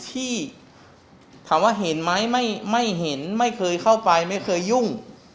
ที่ถามว่าเห็นไหมไม่เห็นไม่เคยเข้าไปไม่เคยยุ่ง